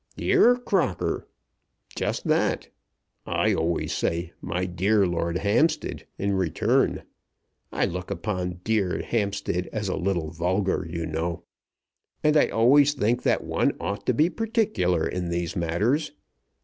"'Dear Crocker;' just that. I always say 'My dear Lord Hampstead,' in return. I look upon 'Dear Hampstead,' as a little vulgar, you know, and I always think that one ought to be particular in these matters.